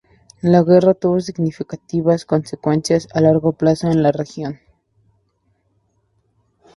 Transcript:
La guerra tuvo significativas consecuencias a largo plazo en la región.